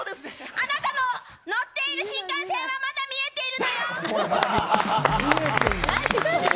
あなたの乗っている新幹線はまだ見えてるのよ！